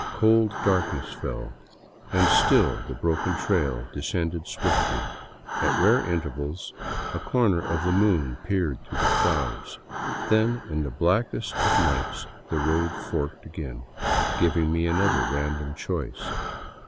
Cold darkness fell, and still the broken trail descended swiftly. At rare intervals a corner of the moon peered through the clouds. Then, in the blackest of nights, the road forked again, giving me another random choice.